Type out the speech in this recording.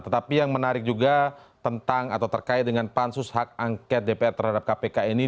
tetapi yang menarik juga tentang atau terkait dengan pansus hak angket dpr terhadap kpk ini